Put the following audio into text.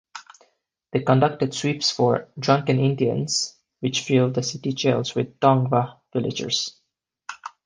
They conducted sweeps for "drunken Indians" which filled the city jails with Tongva villagers.